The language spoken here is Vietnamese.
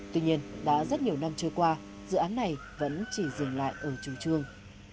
tuy nhiên đã rất nhiều năm trôi qua dự án này vẫn chỉ dừng lại ở chủ trương